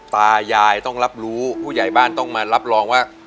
ตายายต้องรับรู้ผู้ใหญ่บ้านต้องมารับรองว่า